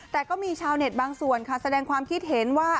แต่ก็มีชาวเน็ตบางส่วนค่ะแสดงความคิดเห็นว่า